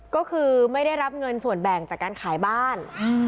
ก็คือไม่ได้รับเงินส่วนแบ่งจากการขายบ้าน